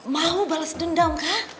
mau balas dendam kak